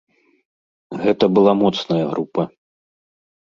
Гэта была моцная група.